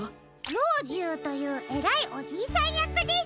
ろうじゅうというえらいおじいさんやくです！